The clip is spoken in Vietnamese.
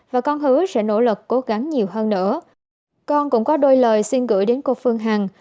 và con hứa sẽ nỗ lực cố gắng nhiều hơn nữa con cũng có đôi lời xin gửi đến cô phương hằng